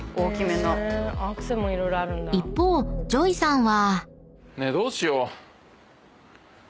［一方ＪＯＹさんは］